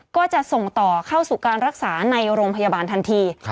ก็จะส่งต่อเข้าสู่การรักษาในโรงพยาบาลทันที